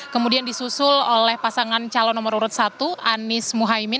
kemudian disusul oleh pasangan calon nomor urut satu anies mohaimin